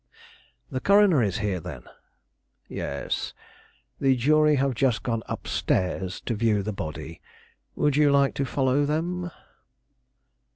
"The coroner is here, then?" "Yes; the jury have just gone up stairs to view the body; would you like to follow them?"